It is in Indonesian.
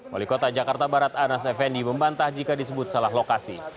wali kota jakarta barat anas effendi membantah jika disebut salah lokasi